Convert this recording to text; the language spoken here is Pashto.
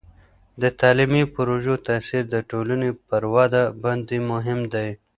د تعلیمي پروژو تاثیر د ټولني پر وده باندې مهم دی.